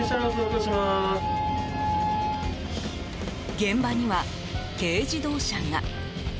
現場には軽自動車が。